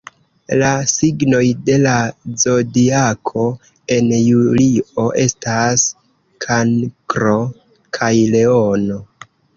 La signoj de la Zodiako en julio estas Kankro kaj Leono.